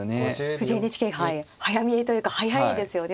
藤井ＮＨＫ杯早見えというか速いですよね